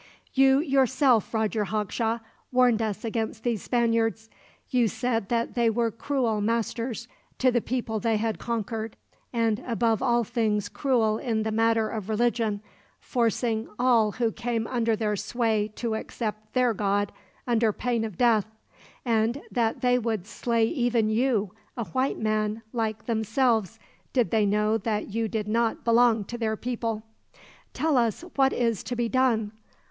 "You yourself, Roger Hawkshaw, warned us against these Spaniards. You said that they were cruel masters to the people they had conquered, and above all things cruel in the matter of religion, forcing all who came under their sway to accept their God, under pain of death; and that they would slay even you, a white man like themselves, did they know that you did not belong to their people. Tell us what is to be done.